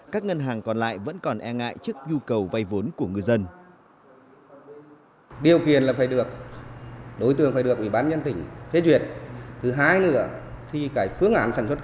các ngân hàng còn lại vẫn còn e ngại trước nhu cầu vay vốn của ngư dân